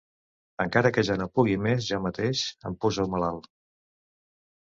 Encara que ja no pugui més jo mateix, em poso malalt!